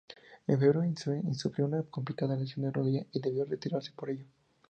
En febrero, Inoue sufrió una complicada lesión de rodilla, y debió retirarse por ello.